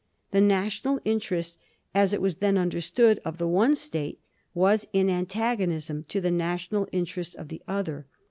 The national inter est, as it was then understood, of the one State was in antagonism to the national interest of the other.